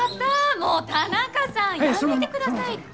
もう田中さんやめてくださいって。